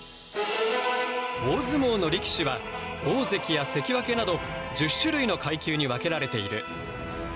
大相撲の力士は大関や関脇など１０種類の階級に分けられている。